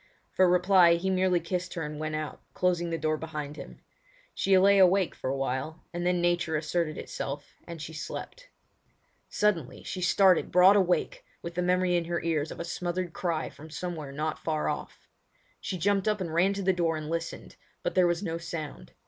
For reply he merely kissed her and went out, closing the door behind him. She lay awake for awhile, and then nature asserted itself, and she slept. Suddenly she started broad awake with the memory in her ears of a smothered cry from somewhere not far off. She jumped up and ran to the door and listened, but there was no sound.